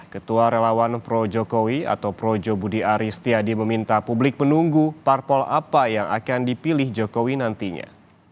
ketua relawan pro jokowi atau projo budi aristiadi meminta publik menunggu parpol apa yang akan dipilih jokowi nantinya